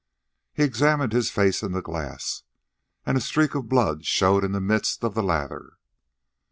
He examined his face in the glass, and a streak of blood showed in the midst of the lather.